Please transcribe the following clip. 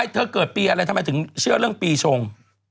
เกิดปีอะไรทำไมถึงเชื่อเรื่องปีชง